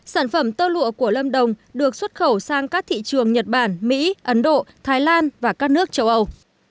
sản phẩm tơ lụa của lâm đồng được xuất khẩu sang các thị trường nhật bản mỹ ấn độ thái lan và các nước châu âu